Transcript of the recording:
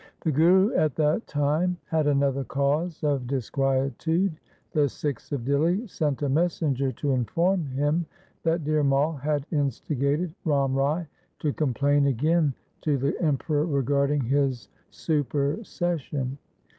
The Guru at that time had another cause of dis quietude. The Sikhs of Dihli sent a messenger to inform him that Dhir Mai had instigated Ram Rai to complain again to the emperor regarding his supersession.